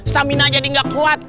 stamina jadi gak kuat